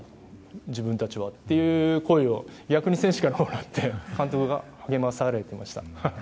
自分たちはという言葉を逆に選手からもらって監督が励まされてました。